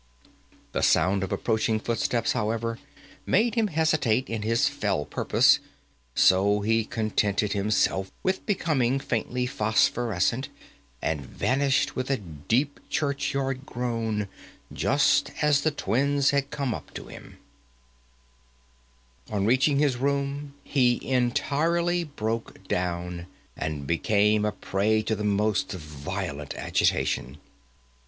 The sound of approaching footsteps, however, made him hesitate in his fell purpose, so he contented himself with becoming faintly phosphorescent, and vanished with a deep churchyard groan, just as the twins had come up to him. [Illustration: "THE TWINS ... AT ONCE DISCHARGED TWO PELLETS ON HIM"] On reaching his room he entirely broke down, and became a prey to the most violent agitation.